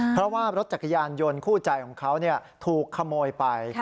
เพราะว่ารถจักรยานยนต์คู่ใจของเขาถูกขโมยไป